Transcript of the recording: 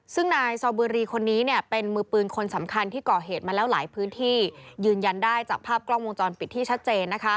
ซึ่งนายซอบุรีคนนี้เป็นมือปืนคนสำคัญที่ก่อเหตุมาแล้วหลายพื้นที่ยืนยันได้จากภาพกล้องวงจรปิดที่ชัดเจน